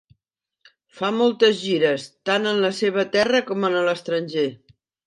Fa moltes gires, tant en la seva terra com en l'estranger.